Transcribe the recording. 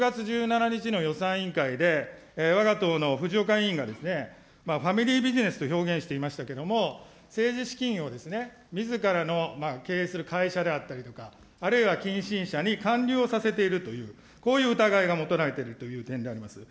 この３大臣に共通しているのは、１０月１７日の予算委員会で、わが党のふじおか委員が、ファミリービジネスと表現していましたけども、政治資金をみずからの経営する会社であったりとか、あるいは近親者にかんりゅうをさせていると、こういう疑いが持たれているという点であります。